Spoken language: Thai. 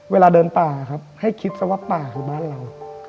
เวลาเดินป่าครับให้คิดซะว่าป่าคือบ้านเรา